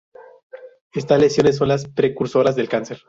Estas lesiones son las precursoras del cáncer.